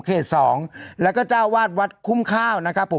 สองแล้วก็เจ้าวาดวัดคุ้มข้าวนะครับผม